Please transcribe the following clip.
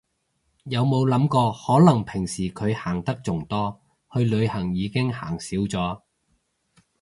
有冇諗過可能平時佢行得仲多，去旅行已經行少咗